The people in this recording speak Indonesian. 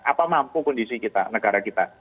apa mampu kondisi kita negara kita